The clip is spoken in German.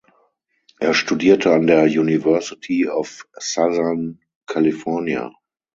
Er studierte an der University of Southern California.